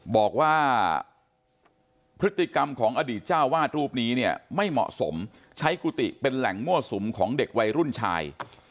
บอกว่าพฤติกรรมของอดีตเจ้าวาดรูปนี้เนี่ยไม่เหมาะสมใช้กุฏิเป็นแหล่งมั่วสุมของเด็กวัยรุ่นชาย